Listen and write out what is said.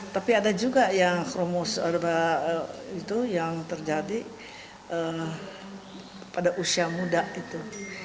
tapi ada juga yang kromo itu yang terjadi pada usia muda gitu